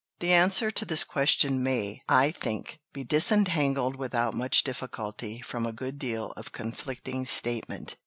The answer to this question may, I think, be disentangled without much difficulty from a good deal of conflicting statement.